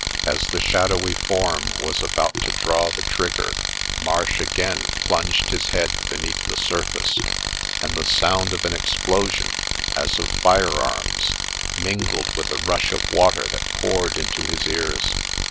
As the shadowy form was about to draw the trigger, Marsh again plunged his head beneath the surface ; and the sound of an explosion, as of fire arms, mingled with the rush of water that poured into his ears.